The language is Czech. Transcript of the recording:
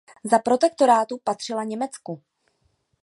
Za protektorátu patřila Německu.